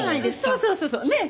そうそうそうそうねえ？